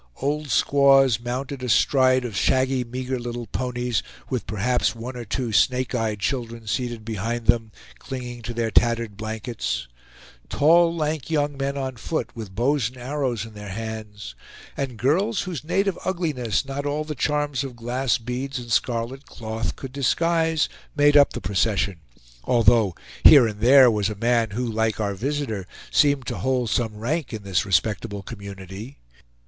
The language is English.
Old squaws, mounted astride of shaggy, meager little ponies, with perhaps one or two snake eyed children seated behind them, clinging to their tattered blankets; tall lank young men on foot, with bows and arrows in their hands; and girls whose native ugliness not all the charms of glass beads and scarlet cloth could disguise, made up the procession; although here and there was a man who, like our visitor, seemed to hold some rank in this respectable community.